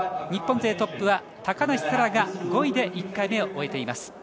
日本勢トップは高梨沙羅が５位で１回目を終えています。